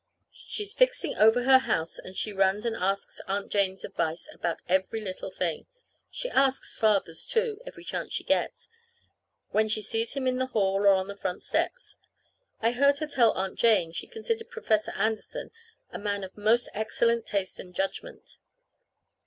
She's fixing over her house, and she runs and asks Aunt Jane's advice about every little thing. She asks Father's, too, every chance she gets, when she sees him in the hall or on the front steps. I heard her tell Aunt Jane she considered Professor Anderson a man of most excellent taste and judgment.